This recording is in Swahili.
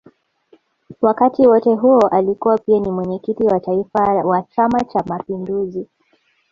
Wakati wote huo alikuwa pia ni Mwenyekiti wa Taifa wa Chama cha Mapinduzi